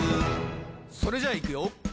それじゃいくよ